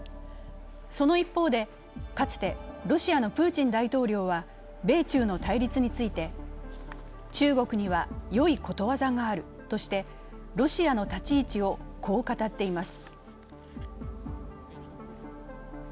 その一方で、かつてロシアのプーチン大統領は米中の対立について中国には良いことわざがあるとしてロシアの立ち位置をこう語っています。